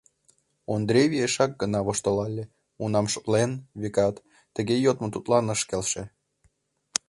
Ондре виешак гына воштылале, унам шотлен, векат, тыге йодмо тудлан ыш келше.